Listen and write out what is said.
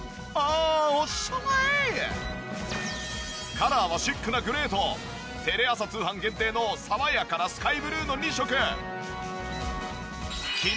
カラーはシックなグレーとテレ朝通販限定の爽やかなスカイブルーの２色。